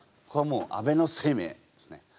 ここはもう安倍晴明ですね。